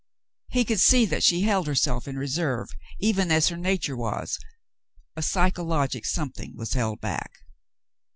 He could see that she held herself in reserve, even as her nature was ; a psychologic something was held back.